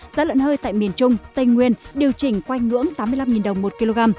giá lợn hơi tại miền trung tây nguyên điều chỉnh quanh ngưỡng tám mươi năm đồng một kg